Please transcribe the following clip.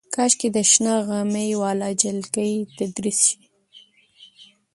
کاشکې د شنه غمي واله جلکۍ تدریس شي.